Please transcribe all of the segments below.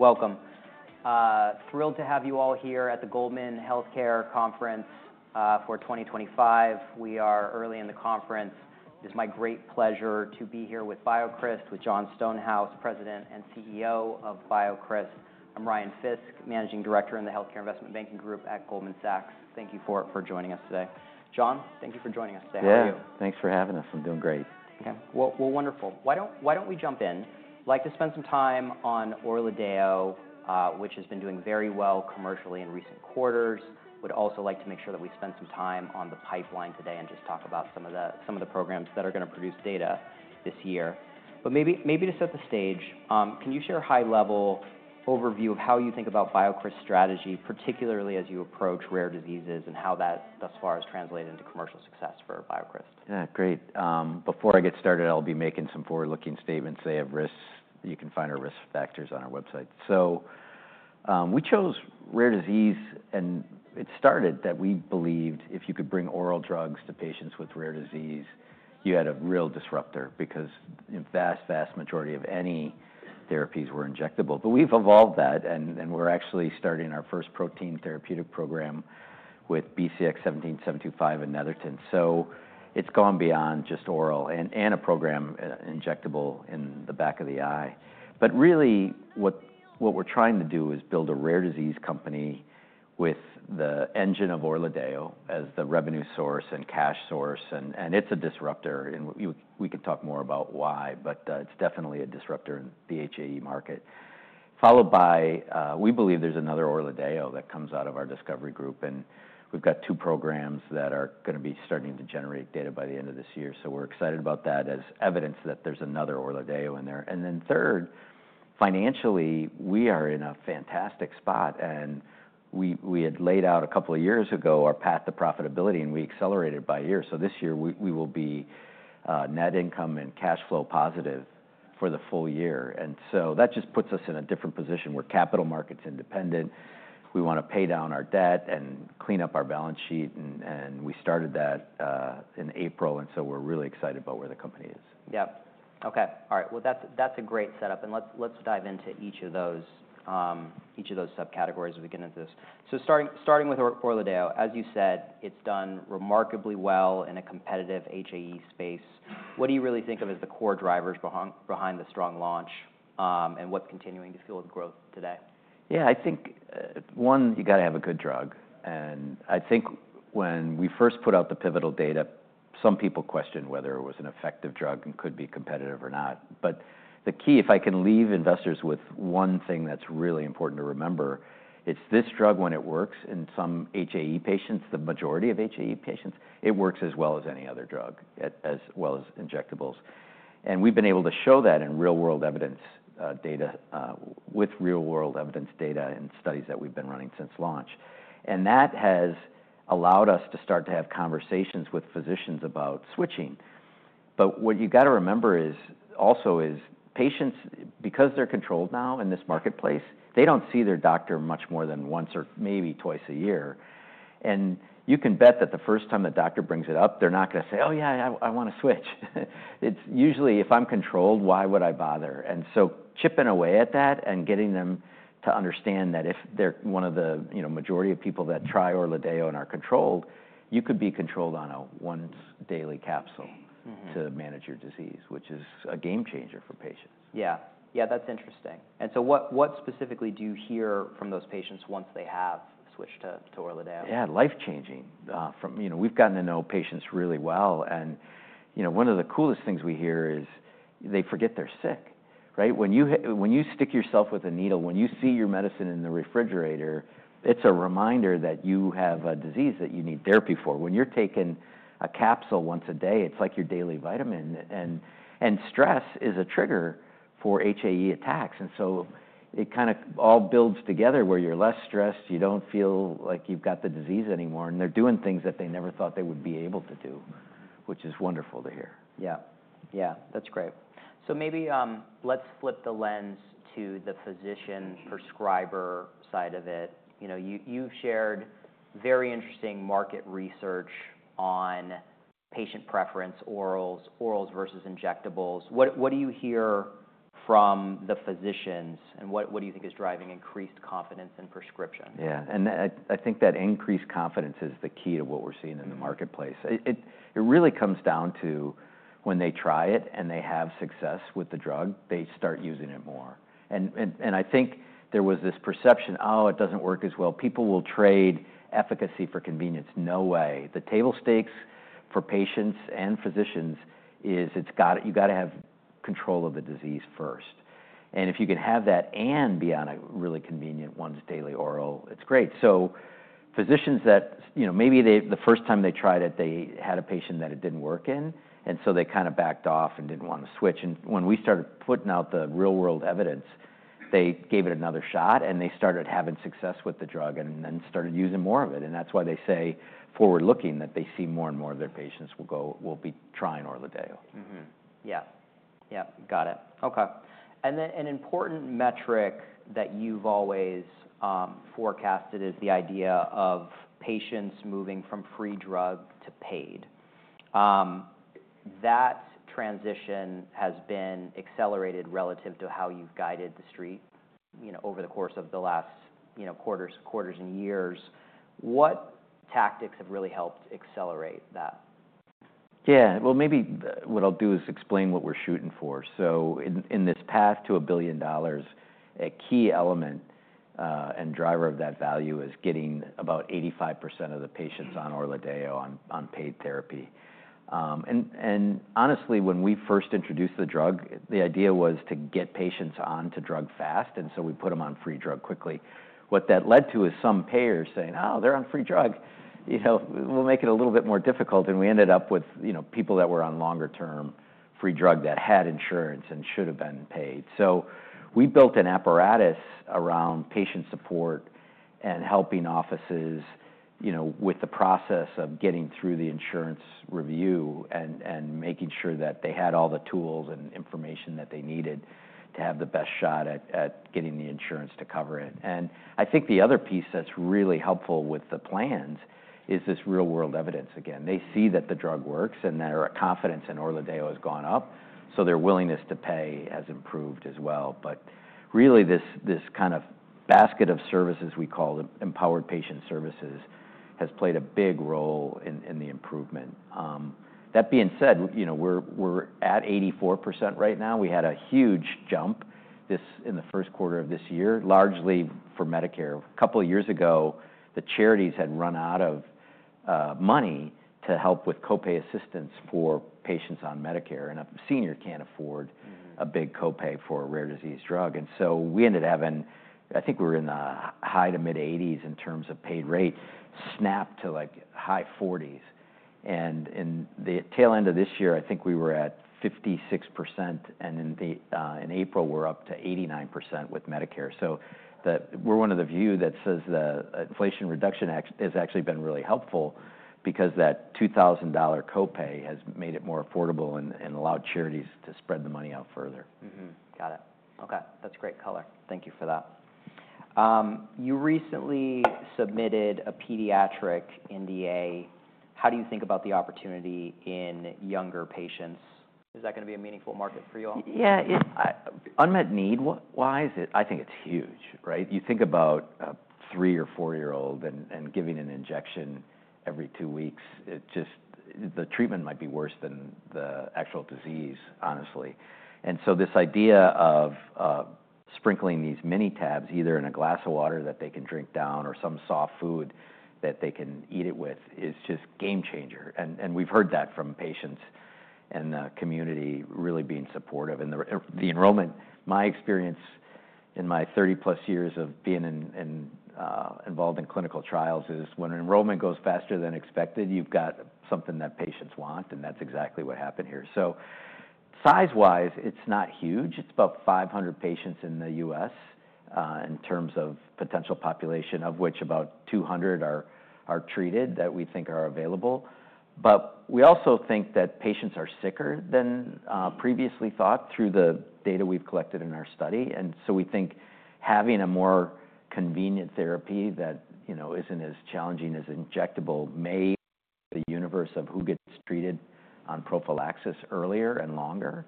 Welcome. Thrilled to have you all here at the Goldman Healthcare Conference for 2025. We are early in the conference. It is my great pleasure to be here with BioCryst, with Jon Stonehouse, President and CEO of BioCryst. I'm Ryan Fisk, Managing Director in the Healthcare Investment Banking Group at Goldman Sachs. Thank you for joining us today. Jon, thank you for joining us today. How are you? Yeah, thanks for having us. I'm doing great. Okay, wonderful. Why don't we jump in? I'd like to spend some time on ORLADEYO, which has been doing very well commercially in recent quarters. I would also like to make sure that we spend some time on the pipeline today and just talk about some of the programs that are going to produce data this year. Maybe to set the stage, can you share a high-level overview of how you think about BioCryst's strategy, particularly as you approach rare diseases and how that thus far has translated into commercial success for BioCryst? Yeah, great. Before I get started, I'll be making some forward-looking statements, say, of risks. You can find our risk factors on our website. We chose rare disease, and it started that we believed if you could bring oral drugs to patients with rare disease, you had a real disruptor because the vast, vast majority of any therapies were injectable. We've evolved that, and we're actually starting our first protein therapeutic program with BCX-17725 in Netherton. It's gone beyond just oral and a program injectable in the back of the eye. What we're trying to do is build a rare disease company with the engine of ORLADEYO as the revenue source and cash source. It's a disruptor. We can talk more about why, but it's definitely a disruptor in the HAE market. Followed by, we believe there's another ORLADEYO that comes out of our discovery group. We've got two programs that are going to be starting to generate data by the end of this year. We're excited about that as evidence that there's another ORLADEYO in there. Third, financially, we are in a fantastic spot. We had laid out a couple of years ago our path to profitability, and we accelerated by a year. This year, we will be net income and cash flow positive for the full year. That just puts us in a different position. We're capital markets independent. We want to pay down our debt and clean up our balance sheet. We started that in April. We're really excited about where the company is. Yeah. Okay. All right. That is a great setup. Let's dive into each of those subcategories as we get into this. Starting with ORLADEYO, as you said, it has done remarkably well in a competitive HAE space. What do you really think of as the core drivers behind the strong launch and what is continuing to fuel the growth today? Yeah, I think, one, you've got to have a good drug. I think when we first put out the pivotal data, some people questioned whether it was an effective drug and could be competitive or not. The key, if I can leave investors with one thing that's really important to remember, it's this drug, when it works in some HAE patients, the majority of HAE patients, it works as well as any other drug, as well as injectables. We've been able to show that in real-world evidence data and studies that we've been running since launch. That has allowed us to start to have conversations with physicians about switching. What you've got to remember also is patients, because they're controlled now in this marketplace, they don't see their doctor much more than once or maybe twice a year. You can bet that the first time the doctor brings it up, they're not going to say, "Oh, yeah, I want to switch." It's usually, "If I'm controlled, why would I bother?" Chipping away at that and getting them to understand that if they're one of the majority of people that try ORLADEYO and are controlled, you could be controlled on a once-daily capsule to manage your disease, which is a game changer for patients. Yeah. Yeah, that's interesting. What specifically do you hear from those patients once they have switched to ORLADEYO? Yeah, life-changing. We've gotten to know patients really well. One of the coolest things we hear is they forget they're sick, right? When you stick yourself with a needle, when you see your medicine in the refrigerator, it's a reminder that you have a disease that you need therapy for. When you're taking a capsule once a day, it's like your daily vitamin. Stress is a trigger for HAE attacks. It kind of all builds together where you're less stressed, you don't feel like you've got the disease anymore, and they're doing things that they never thought they would be able to do, which is wonderful to hear. Yeah. Yeah, that's great. Maybe let's flip the lens to the physician-prescriber side of it. You've shared very interesting market research on patient preference, orals versus injectables. What do you hear from the physicians? What do you think is driving increased confidence in prescription? Yeah. I think that increased confidence is the key to what we're seeing in the marketplace. It really comes down to when they try it and they have success with the drug, they start using it more. I think there was this perception, "Oh, it doesn't work as well." People will trade efficacy for convenience. No way. The table stakes for patients and physicians is you've got to have control of the disease first. If you can have that and be on a really convenient once-daily oral, it's great. Physicians that maybe the first time they tried it, they had a patient that it didn't work in, and so they kind of backed off and didn't want to switch. When we started putting out the real-world evidence, they gave it another shot and they started having success with the drug and then started using more of it. That is why they say forward-looking that they see more and more of their patients will be trying ORLADEYO. Yeah. Yeah, got it. Okay. An important metric that you've always forecasted is the idea of patients moving from free drug to paid. That transition has been accelerated relative to how you've guided the street over the course of the last quarters and years. What tactics have really helped accelerate that? Yeah. Maybe what I'll do is explain what we're shooting for. In this path to a billion dollars, a key element and driver of that value is getting about 85% of the patients on ORLADEYO on paid therapy. Honestly, when we first introduced the drug, the idea was to get patients onto drug fast. We put them on free drug quickly. What that led to is some payers saying, "Oh, they're on free drug. We'll make it a little bit more difficult." We ended up with people that were on longer-term free drug that had insurance and should have been paid. We built an apparatus around patient support and helping offices with the process of getting through the insurance review and making sure that they had all the tools and information that they needed to have the best shot at getting the insurance to cover it. I think the other piece that's really helpful with the plans is this real-world evidence again. They see that the drug works and their confidence in ORLADEYO has gone up. Their willingness to pay has improved as well. Really, this kind of basket of services we call empowered patient services has played a big role in the improvement. That being said, we're at 84% right now. We had a huge jump in the first quarter of this year, largely for Medicare. A couple of years ago, the charities had run out of money to help with copay assistance for patients on Medicare. A senior can't afford a big copay for a rare disease drug. We ended up having, I think we were in the high to mid-80s in terms of paid rate, snapped to high 40s. In the tail end of this year, I think we were at 56%. In April, we're up to 89% with Medicare. We are one of the few that says the Inflation Reduction Act has actually been really helpful because that $2,000 copay has made it more affordable and allowed charities to spread the money out further. Got it. Okay. That's great color. Thank you for that. You recently submitted a pediatric NDA. How do you think about the opportunity in younger patients? Is that going to be a meaningful market for you all? Yeah. I think it's huge, right? You think about a three or four-year-old and giving an injection every two weeks. The treatment might be worse than the actual disease, honestly. This idea of sprinkling these mini tabs, either in a glass of water that they can drink down or some soft food that they can eat it with, is just a game changer. We've heard that from patients and the community really being supportive. The enrollment, my experience in my 30-plus years of being involved in clinical trials is when enrollment goes faster than expected, you've got something that patients want. That's exactly what happened here. Size-wise, it's not huge. It's about 500 patients in the US in terms of potential population, of which about 200 are treated that we think are available. We also think that patients are sicker than previously thought through the data we've collected in our study. We think having a more convenient therapy that isn't as challenging as an injectable may expand the universe of who gets treated on prophylaxis earlier and longer,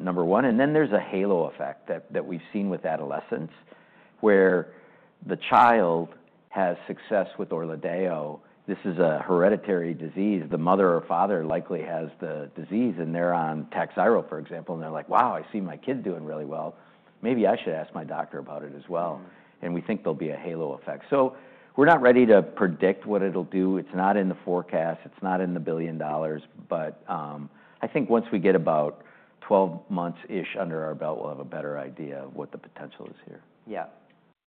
number one. There is a halo effect that we've seen with adolescents where the child has success with ORLADEYO. This is a hereditary disease. The mother or father likely has the disease, and they're on Takhzyro, for example. They're like, "Wow, I see my kid doing really well. Maybe I should ask my doctor about it as well." We think there will be a halo effect. We're not ready to predict what it will do. It's not in the forecast. It's not in the billion dollars. I think once we get about 12 months-ish under our belt, we'll have a better idea of what the potential is here. Yeah.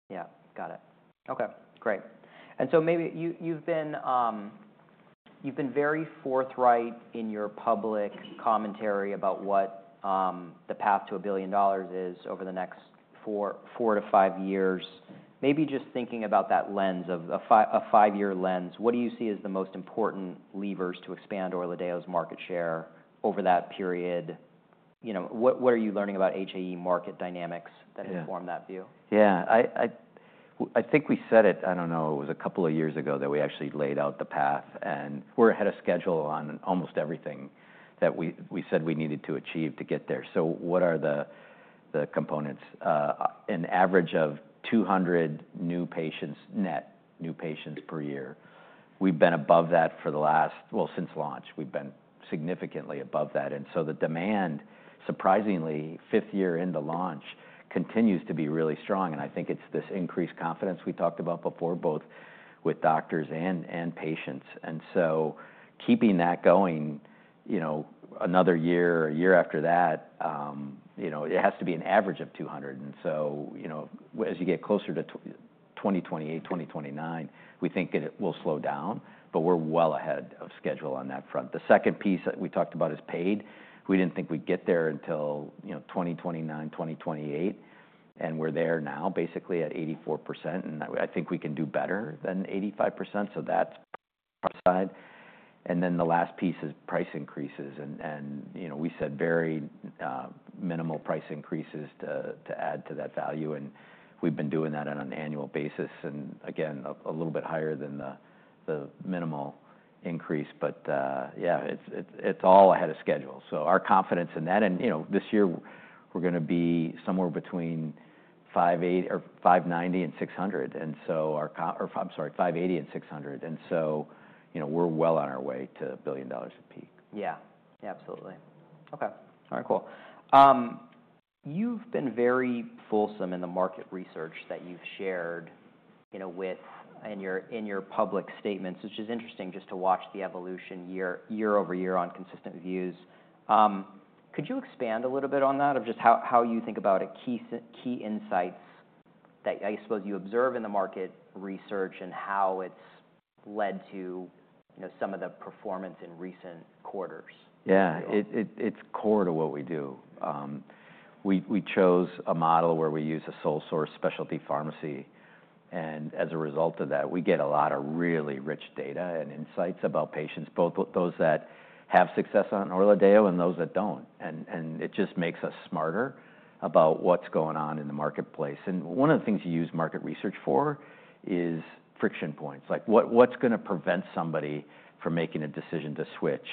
Yeah, got it. Okay, great. Maybe you've been very forthright in your public commentary about what the path to a billion dollars is over the next four to five years. Maybe just thinking about that lens of a five-year lens, what do you see as the most important levers to expand ORLADEYO's market share over that period? What are you learning about HAE market dynamics that inform that view? Yeah. I think we said it. I do not know. It was a couple of years ago that we actually laid out the path. We are ahead of schedule on almost everything that we said we needed to achieve to get there. What are the components? An average of 200 new patients, net new patients per year. We have been above that for the last, well, since launch. We have been significantly above that. The demand, surprisingly, fifth year into launch, continues to be really strong. I think it is this increased confidence we talked about before, both with doctors and patients. Keeping that going another year or a year after that, it has to be an average of 200. As you get closer to 2028, 2029, we think it will slow down, but we are well ahead of schedule on that front. The second piece we talked about is paid. We did not think we would get there until 2029, 2028. We are there now basically at 84%. I think we can do better than 85%. That is our side. The last piece is price increases. We said very minimal price increases to add to that value. We have been doing that on an annual basis. Again, a little bit higher than the minimal increase. Yeah, it is all ahead of schedule. Our confidence in that. This year, we are going to be somewhere between $580 million and $600 million. We are well on our way to a billion dollars of peak. Yeah. Yeah, absolutely. Okay. All right, cool. You've been very fulsome in the market research that you've shared in your public statements, which is interesting just to watch the evolution year over year on consistent views. Could you expand a little bit on that of just how you think about key insights that I suppose you observe in the market research and how it's led to some of the performance in recent quarters? Yeah. It's core to what we do. We chose a model where we use a sole-source specialty pharmacy. As a result of that, we get a lot of really rich data and insights about patients, both those that have success on ORLADEYO and those that do not. It just makes us smarter about what's going on in the marketplace. One of the things you use market research for is friction points. What's going to prevent somebody from making a decision to switch?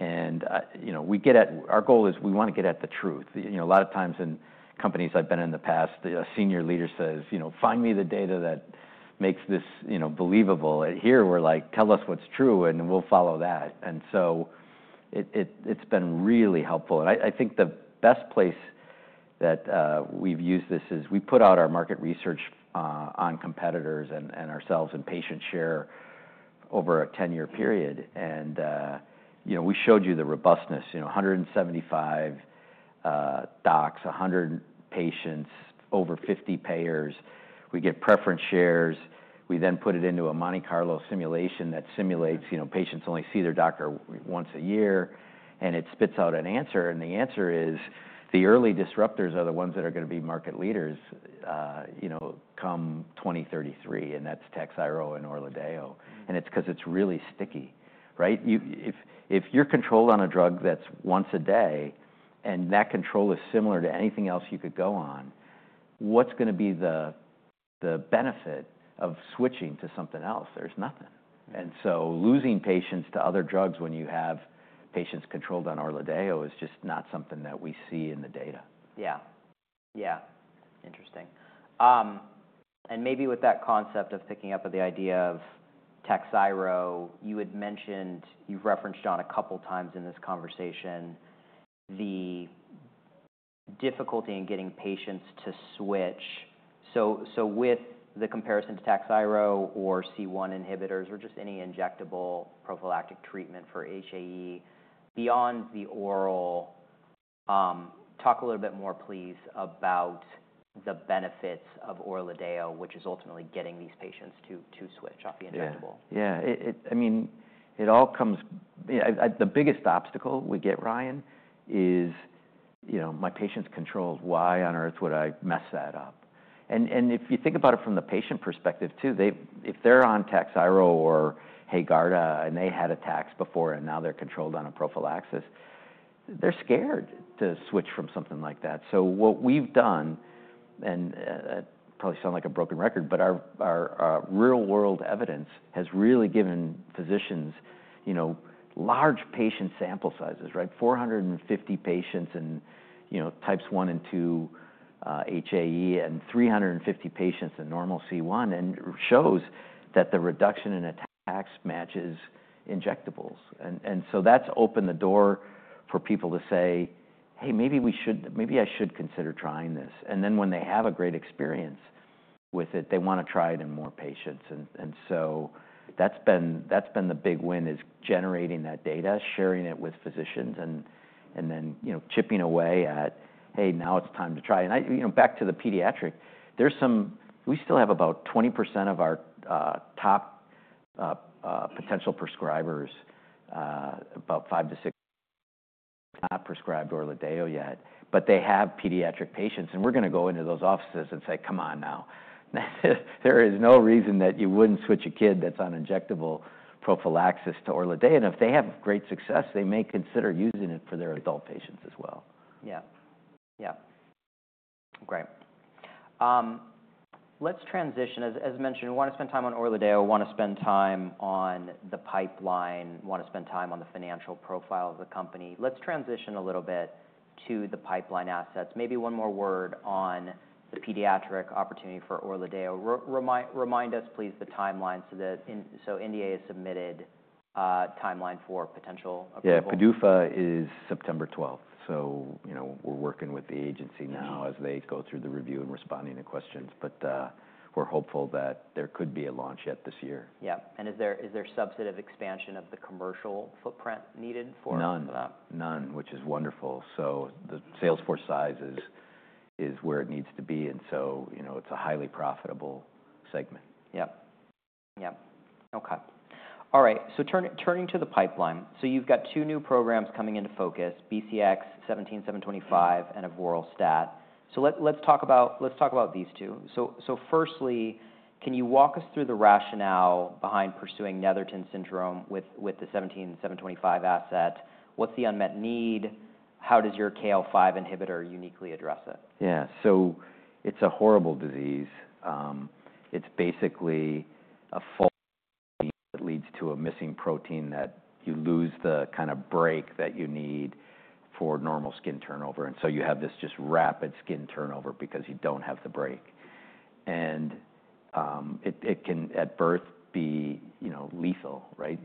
Our goal is we want to get at the truth. A lot of times in companies I have been in the past, a senior leader says, "Find me the data that makes this believable." Here, we're like, "Tell us what's true and we'll follow that." It has been really helpful. I think the best place that we've used this is we put out our market research on competitors and ourselves and patient share over a 10-year period. We showed you the robustness, 175 docs, 100 patients, over 50 payers. We get preference shares. We then put it into a Monte Carlo simulation that simulates patients only see their doctor once a year. It spits out an answer. The answer is the early disruptors are the ones that are going to be market leaders come 2033. That is Takhzyro and ORLADEYO. It is because it is really sticky, right? If you're controlled on a drug that is once a day and that control is similar to anything else you could go on, what is going to be the benefit of switching to something else? There is nothing. Losing patients to other drugs when you have patients controlled on ORLADEYO is just not something that we see in the data. Yeah. Yeah. Interesting. Maybe with that concept of picking up at the idea of Takhzyro, you had mentioned you've referenced a couple of times in this conversation the difficulty in getting patients to switch. With the comparison to Takhzyro or C1 inhibitors or just any injectable prophylactic treatment for HAE beyond the oral, talk a little bit more, please, about the benefits of ORLADEYO, which is ultimately getting these patients to switch off the injectable. Yeah. Yeah. I mean, it all comes, the biggest obstacle we get, Ryan, is my patient's controlled. Why on earth would I mess that up? If you think about it from the patient perspective too, if they're on Takhzyro or Haegarda and they had attacks before and now they're controlled on a prophylaxis, they're scared to switch from something like that. What we've done, and it probably sounds like a broken record, but our real-world evidence has really given physicians large patient sample sizes, right? 450 patients in types one and two HAE and 350 patients in normal C1 and shows that the reduction in attacks matches injectables. That has opened the door for people to say, "Hey, maybe I should consider trying this." When they have a great experience with it, they want to try it in more patients. That's been the big win, generating that data, sharing it with physicians, and then chipping away at, "Hey, now it's time to try." Back to the pediatric, we still have about 20% of our top potential prescribers, about five to six, not prescribed ORLADEYO yet, but they have pediatric patients. We're going to go into those offices and say, "Come on now." There is no reason that you wouldn't switch a kid that's on injectable prophylaxis to ORLADEYO. If they have great success, they may consider using it for their adult patients as well. Yeah. Yeah. Great. Let's transition. As mentioned, we want to spend time on ORLADEYO, want to spend time on the pipeline, want to spend time on the financial profile of the company. Let's transition a little bit to the pipeline assets. Maybe one more word on the pediatric opportunity for ORLADEYO. Remind us, please, the timeline so NDA is submitted, timeline for potential approval. Yeah. PDUFA is September 12. So we're working with the agency now as they go through the review and responding to questions. But we're hopeful that there could be a launch yet this year. Yeah. Is there substantive expansion of the commercial footprint needed for that? None. None, which is wonderful. The sales force size is where it needs to be. It is a highly profitable segment. Yep. Yep. Okay. All right. Turning to the pipeline. You've got two new programs coming into focus, BCX-17725 and Avoralstat. Let's talk about these two. Firstly, can you walk us through the rationale behind pursuing Netherton syndrome with the 17725 asset? What's the unmet need? How does your KLK5 inhibitor uniquely address it? Yeah. It's a horrible disease. It's basically a fault that leads to a missing protein that you lose the kind of brake that you need for normal skin turnover. You have this just rapid skin turnover because you don't have the brake. It can at birth be lethal, right?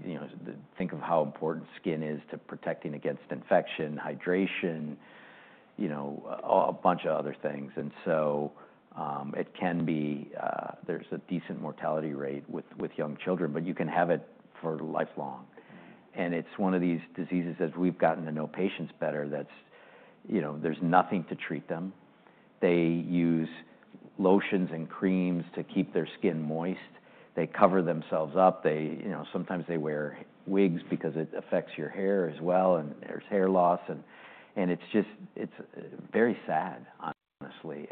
Think of how important skin is to protecting against infection, hydration, a bunch of other things. There is a decent mortality rate with young children, but you can have it for lifelong. It's one of these diseases, as we've gotten to know patients better, that there's nothing to treat them. They use lotions and creams to keep their skin moist. They cover themselves up. Sometimes they wear wigs because it affects your hair as well. There's hair loss. It's just very sad, honestly.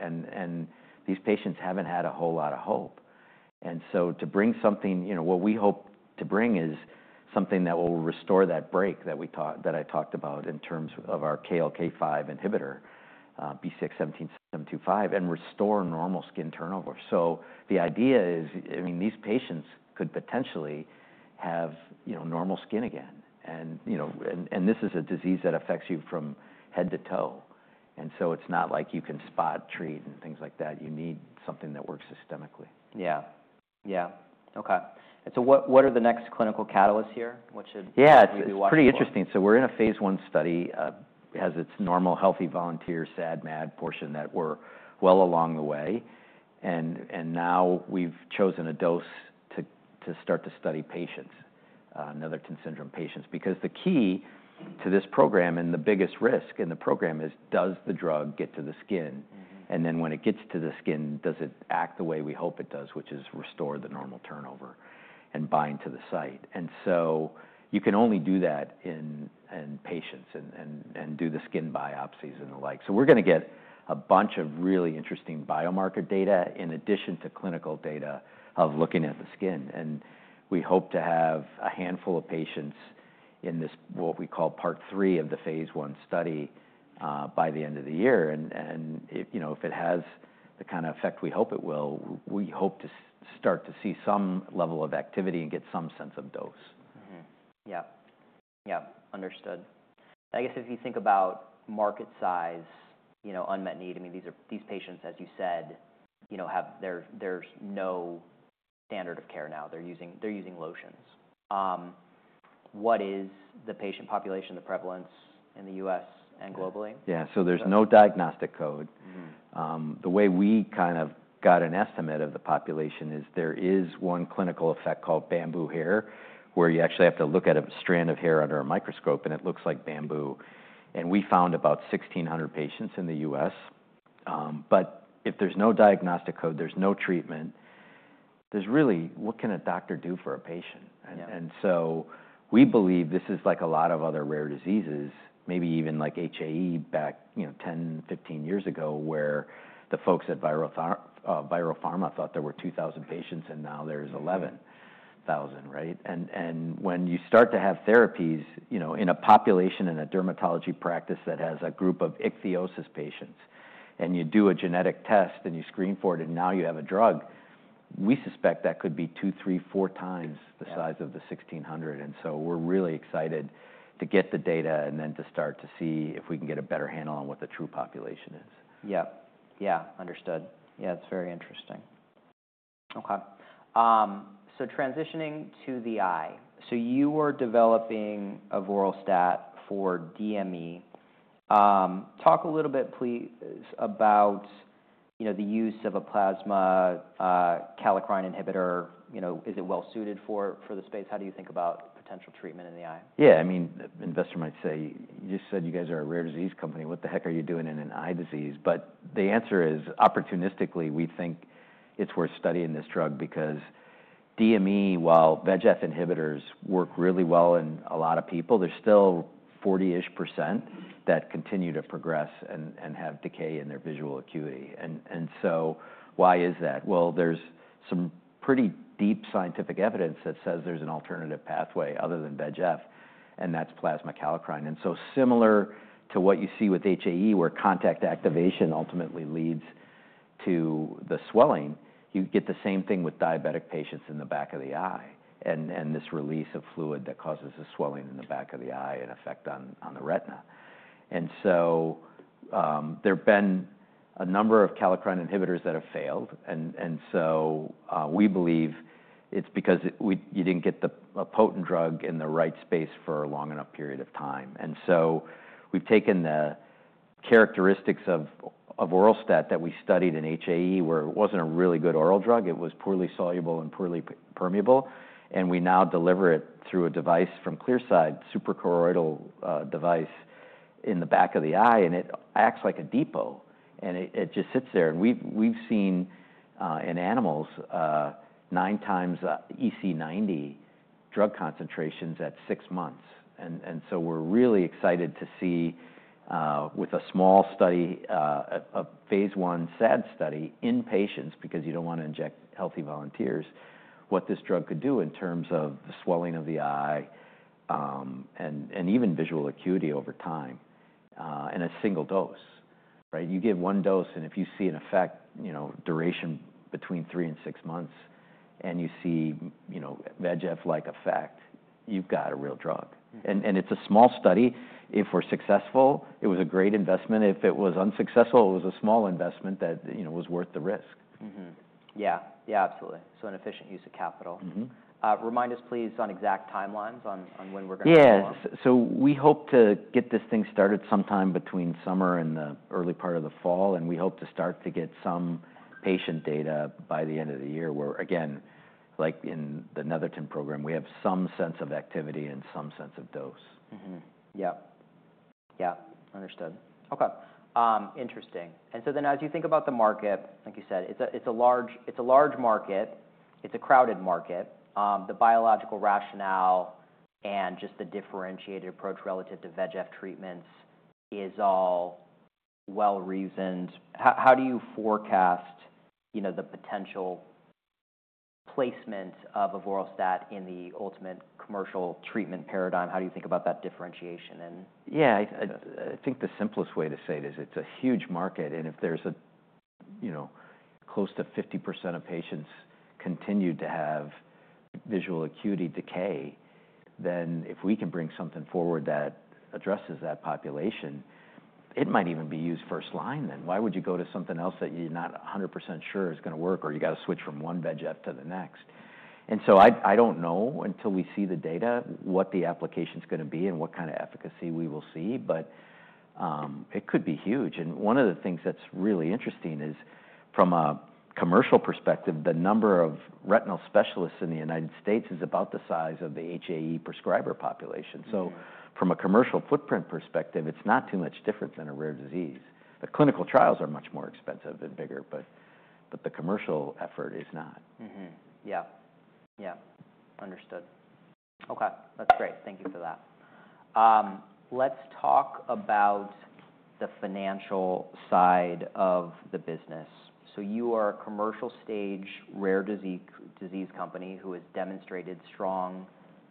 These patients haven't had a whole lot of hope. To bring something, what we hope to bring is something that will restore that break that I talked about in terms of our KLK5 inhibitor, BCX-17725, and restore normal skin turnover. The idea is, I mean, these patients could potentially have normal skin again. This is a disease that affects you from head to toe. It's not like you can spot treat and things like that. You need something that works systemically. Yeah. Yeah. Okay. What are the next clinical catalysts here? What should we be watching? Yeah. It's pretty interesting. We're in a phase one study. It has its normal healthy volunteer, SAD, MAD portion that we're well along the way. Now we've chosen a dose to start to study patients, Netherton syndrome patients. Because the key to this program and the biggest risk in the program is, does the drug get to the skin? When it gets to the skin, does it act the way we hope it does, which is restore the normal turnover and bind to the site? You can only do that in patients and do the skin biopsies and the like. We're going to get a bunch of really interesting biomarker data in addition to clinical data of looking at the skin. We hope to have a handful of patients in this, what we call part three of the phase one study by the end of the year. If it has the kind of effect we hope it will, we hope to start to see some level of activity and get some sense of dose. Yep. Yep. Understood. I guess if you think about market size, unmet need, I mean, these patients, as you said, there's no standard of care now. They're using lotions. What is the patient population, the prevalence in the U.S. and globally? Yeah. There is no diagnostic code. The way we kind of got an estimate of the population is there is one clinical effect called bamboo hair, where you actually have to look at a strand of hair under a microscope, and it looks like bamboo. We found about 1,600 patients in the U.S. If there is no diagnostic code, there is no treatment. There is really, what can a doctor do for a patient? We believe this is like a lot of other rare diseases, maybe even like HAE back 10-15 years ago, where the folks at ViroPharma thought there were 2,000 patients, and now there are 11,000, right? When you start to have therapies in a population in a dermatology practice that has a group of ichthyosis patients, and you do a genetic test and you screen for it, and now you have a drug, we suspect that could be two, three, four times the size of the 1,600. We are really excited to get the data and then to start to see if we can get a better handle on what the true population is. Yep. Yeah. Understood. Yeah. It's very interesting. Okay. Transitioning to the eye. You were developing Avoralstat for DME. Talk a little bit, please, about the use of a plasma kallikrein inhibitor. Is it well suited for the space? How do you think about potential treatment in the eye? Yeah. I mean, an investor might say, "You just said you guys are a rare disease company. What the heck are you doing in an eye disease?" The answer is, opportunistically, we think it's worth studying this drug because DME, while VEGF inhibitors work really well in a lot of people, there's still 40% that continue to progress and have decay in their visual acuity. Why is that? There's some pretty deep scientific evidence that says there's an alternative pathway other than VEGF, and that's plasma kallikrein. Similar to what you see with HAE, where contact activation ultimately leads to the swelling, you get the same thing with diabetic patients in the back of the eye and this release of fluid that causes the swelling in the back of the eye and effect on the retina. There have been a number of kallikrein inhibitors that have failed. We believe it's because you didn't get a potent drug in the right space for a long enough period of time. We've taken the characteristics of Avoralstat that we studied in HAE, where it wasn't a really good oral drug. It was poorly soluble and poorly permeable. We now deliver it through a device from Clearside, suprachoroidal device in the back of the eye. It acts like a depot. It just sits there. We've seen in animals nine times EC90 drug concentrations at six months. We're really excited to see, with a small study, a phase one SAD study in patients, because you don't want to inject healthy volunteers, what this drug could do in terms of the swelling of the eye and even visual acuity over time in a single dose, right? You give one dose, and if you see an effect, duration between three and six months, and you see VEGF-like effect, you've got a real drug. It's a small study. If we're successful, it was a great investment. If it was unsuccessful, it was a small investment that was worth the risk. Yeah. Yeah. Absolutely. An efficient use of capital. Remind us, please, on exact timelines on when we're going to. Yeah. We hope to get this thing started sometime between summer and the early part of the fall. We hope to start to get some patient data by the end of the year, where, again, like in the Netherton program, we have some sense of activity and some sense of dose. Yep. Yep. Understood. Okay. Interesting. As you think about the market, like you said, it's a large market. It's a crowded market. The biological rationale and just the differentiated approach relative to VEGF treatments is all well reasoned. How do you forecast the potential placement of Avoralstat in the ultimate commercial treatment paradigm? How do you think about that differentiation? Yeah. I think the simplest way to say it is it's a huge market. If there's close to 50% of patients continue to have visual acuity decay, then if we can bring something forward that addresses that population, it might even be used first line then. Why would you go to something else that you're not 100% sure is going to work, or you got to switch from one VEGF to the next? I don't know until we see the data what the application is going to be and what kind of efficacy we will see. It could be huge. One of the things that's really interesting is from a commercial perspective, the number of retinal specialists in the United States is about the size of the HAE prescriber population. From a commercial footprint perspective, it's not too much different than a rare disease. The clinical trials are much more expensive and bigger, but the commercial effort is not. Yeah. Yeah. Understood. Okay. That's great. Thank you for that. Let's talk about the financial side of the business. You are a commercial stage rare disease company who has demonstrated strong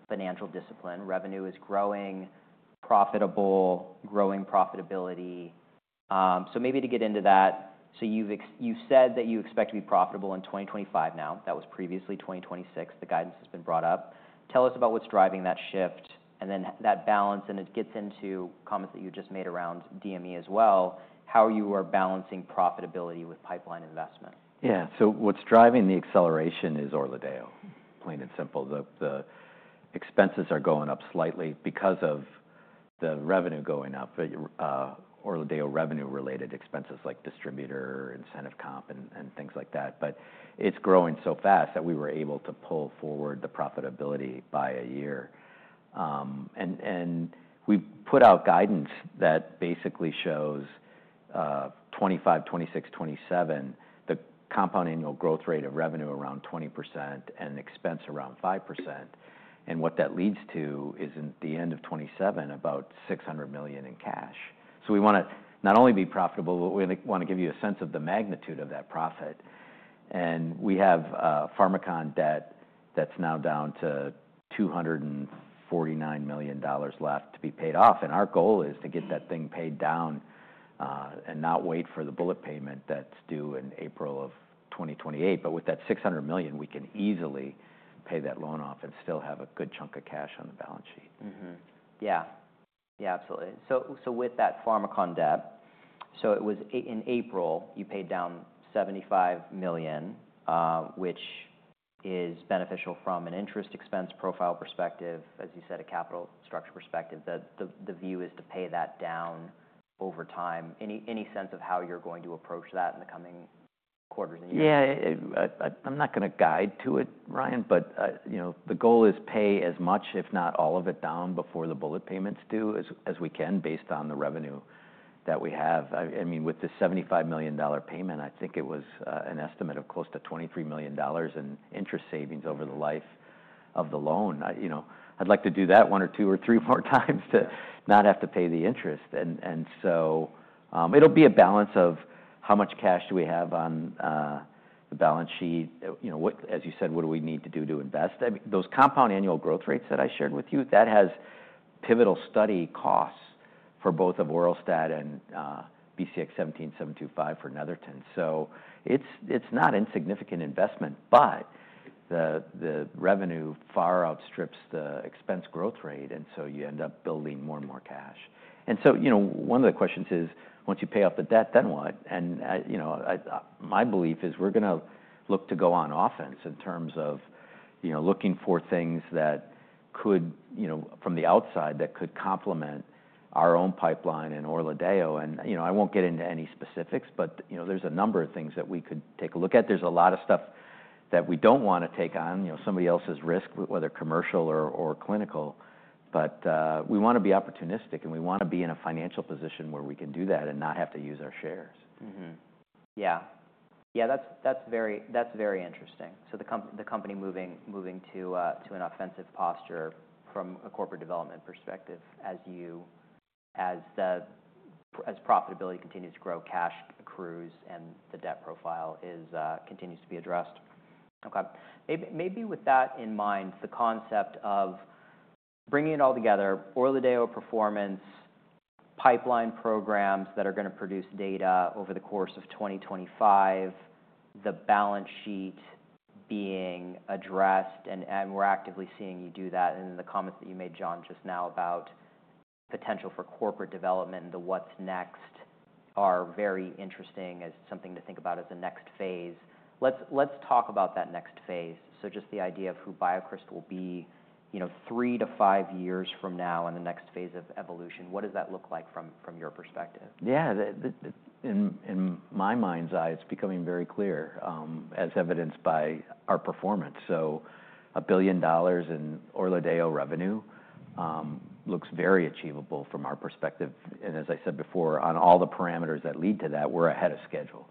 financial discipline. Revenue is growing, profitable, growing profitability. Maybe to get into that, you've said that you expect to be profitable in 2025 now. That was previously 2026. The guidance has been brought up. Tell us about what's driving that shift and that balance. It gets into comments that you just made around DME as well, how you are balancing profitability with pipeline investment. Yeah. So what's driving the acceleration is ORLADEYO, plain and simple. The expenses are going up slightly because of the revenue going up, ORLADEYO revenue-related expenses like distributor, incentive comp, and things like that. It is growing so fast that we were able to pull forward the profitability by a year. We put out guidance that basically shows 2025, 2026, 2027, the compound annual growth rate of revenue around 20% and expense around 5%. What that leads to is at the end of 2027, about $600 million in cash. We want to not only be profitable, but we want to give you a sense of the magnitude of that profit. We have Pharmakon debt that is now down to $249 million left to be paid off. Our goal is to get that thing paid down and not wait for the bullet payment that's due in April of 2028. With that $600 million, we can easily pay that loan off and still have a good chunk of cash on the balance sheet. Yeah. Yeah. Absolutely. With that Pharmakon debt, it was in April, you paid down $75 million, which is beneficial from an interest expense profile perspective, as you said, a capital structure perspective. The view is to pay that down over time. Any sense of how you're going to approach that in the coming quarters and years? Yeah. I'm not going to guide to it, Ryan, but the goal is pay as much, if not all of it, down before the bullet payment is due as we can based on the revenue that we have. I mean, with the $75 million payment, I think it was an estimate of close to $23 million in interest savings over the life of the loan. I'd like to do that one or two or three more times to not have to pay the interest. It will be a balance of how much cash do we have on the balance sheet? As you said, what do we need to do to invest? Those compound annual growth rates that I shared with you, that has pivotal study costs for both of Avoralstat and BCX-17725 for Netherton. It is not insignificant investment, but the revenue far outstrips the expense growth rate. You end up building more and more cash. One of the questions is, once you pay off the debt, then what? My belief is we're going to look to go on offense in terms of looking for things that could, from the outside, that could complement our own pipeline and ORLADEYO. I won't get into any specifics, but there's a number of things that we could take a look at. There's a lot of stuff that we don't want to take on somebody else's risk, whether commercial or clinical. We want to be opportunistic, and we want to be in a financial position where we can do that and not have to use our shares. Yeah. Yeah. That's very interesting. The company moving to an offensive posture from a corporate development perspective as profitability continues to grow, cash accrues, and the debt profile continues to be addressed. Okay. Maybe with that in mind, the concept of bringing it all together, ORLADEYO performance, pipeline programs that are going to produce data over the course of 2025, the balance sheet being addressed. We're actively seeing you do that. The comments that you made, Jon, just now about potential for corporate development and the what's next are very interesting as something to think about as a next phase. Let's talk about that next phase. Just the idea of who BioCryst will be three to five years from now in the next phase of evolution, what does that look like from your perspective? Yeah. In my mind's eye, it's becoming very clear as evidenced by our performance. So a billion dollars in ORLADEYO revenue looks very achievable from our perspective. And as I said before, on all the parameters that lead to that, we're ahead of schedule.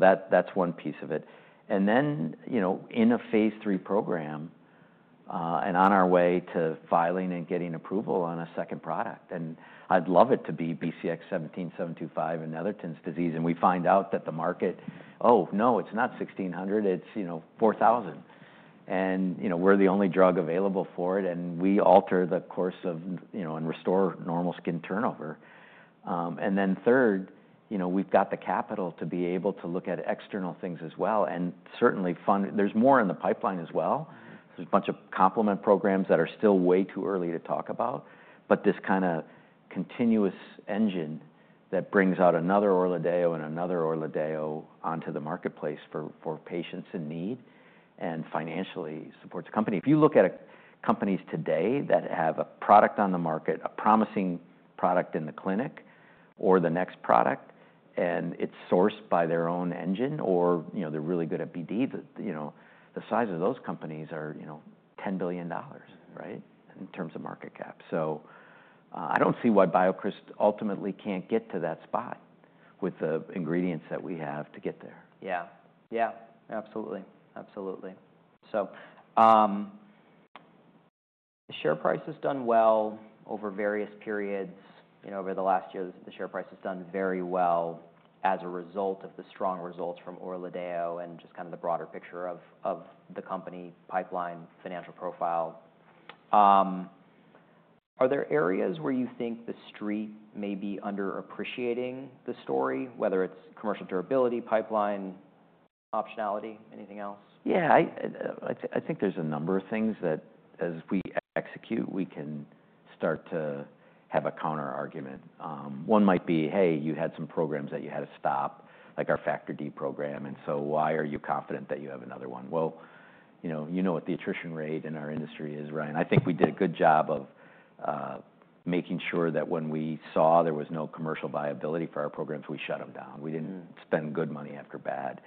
That's one piece of it. In a phase three program and on our way to filing and getting approval on a second product. I'd love it to be BCX-17725 and Netherton syndrome. We find out that the market, oh no, it's not 1,600, it's 4,000. We're the only drug available for it, and we alter the course and restore normal skin turnover. Third, we've got the capital to be able to look at external things as well. Certainly, there's more in the pipeline as well. There's a bunch of complement programs that are still way too early to talk about. But this kind of continuous engine that brings out another ORLADEYO and another ORLADEYO onto the marketplace for patients in need and financially supports a company. If you look at companies today that have a product on the market, a promising product in the clinic or the next product, and it's sourced by their own engine or they're really good at BD, the size of those companies are $10 billion, right, in terms of market cap. So I don't see why BioCryst ultimately can't get to that spot with the ingredients that we have to get there. Yeah. Yeah. Absolutely. Absolutely. So the share price has done well over various periods. Over the last year, the share price has done very well as a result of the strong results from ORLADEYO and just kind of the broader picture of the company pipeline financial profile. Are there areas where you think the street may be underappreciating the story, whether it's commercial durability, pipeline, optionality, anything else? Yeah. I think there's a number of things that as we execute, we can start to have a counterargument. One might be, hey, you had some programs that you had to stop, like our Factor D program. Why are you confident that you have another one? You know what the attrition rate in our industry is, Ryan. I think we did a good job of making sure that when we saw there was no commercial viability for our programs, we shut them down. We didn't spend good money after bad.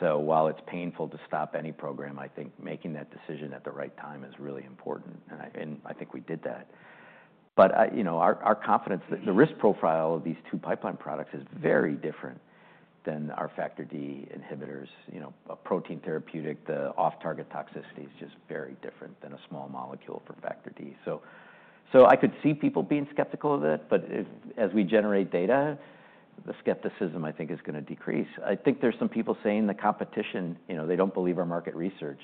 While it's painful to stop any program, I think making that decision at the right time is really important. I think we did that. Our confidence, the risk profile of these two pipeline products is very different than our Factor D inhibitors. A protein therapeutic, the off-target toxicity is just very different than a small molecule for Factor D. I could see people being skeptical of it. As we generate data, the skepticism, I think, is going to decrease. I think there's some people saying the competition, they don't believe our market research.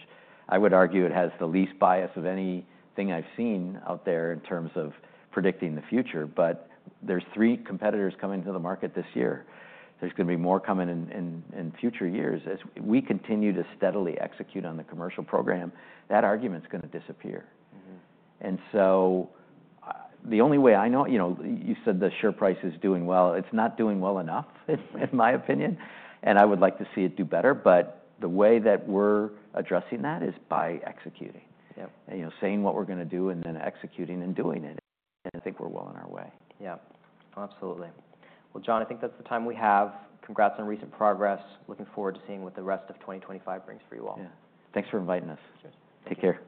I would argue it has the least bias of anything I've seen out there in terms of predicting the future. There's three competitors coming to the market this year. There's going to be more coming in future years. As we continue to steadily execute on the commercial program, that argument's going to disappear. The only way I know, you said the share price is doing well. It's not doing well enough, in my opinion. I would like to see it do better. The way that we're addressing that is by executing, saying what we're going to do and then executing and doing it. I think we're well on our way. Yeah. Absolutely. John, I think that's the time we have. Congrats on recent progress. Looking forward to seeing what the rest of 2025 brings for you all. Yeah. Thanks for inviting us. Sure. Take care.